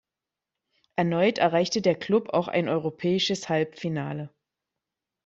Erneut erreichte der Klub auch ein europäisches Halbfinale.